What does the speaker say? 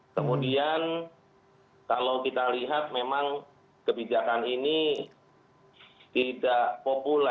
kemudian kalau kita lihat memang kebijakan ini tidak populer